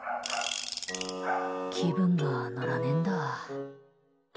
気分が乗らねえんだ。